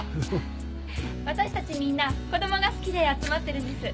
私たちみんな子供が好きで集まってるんです。